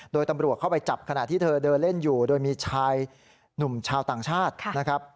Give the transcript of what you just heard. โดยตำรวจเข้าไปจับขณะที่เธอเดินเล่นอยู่โดยมีชายหนุ่มชาวต่างชาตินะครับ